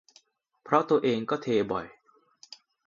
เพราะตัวเองก็เทบ่อย